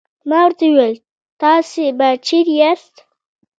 ما ورته وویل: تاسې به چیرې یاست؟